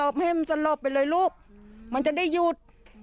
มันจะหลบไปก่อนเลยลูกมันจะได้หยุด